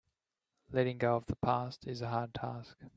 Letting go of the past is a hard task.